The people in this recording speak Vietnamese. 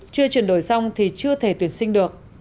chưa chuyển đổi xong thì chưa thể tuyển sinh được